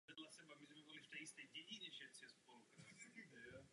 Bankovky tiskne tiskárna De La Rue v Nairobi.